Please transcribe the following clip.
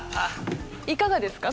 いかがですか？